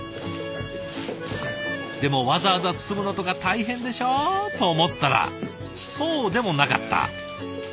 でもわざわざ包むのとか大変でしょ？と思ったらそうでもなかった！